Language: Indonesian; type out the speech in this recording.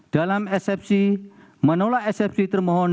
dalam sfc menolak sfc termohon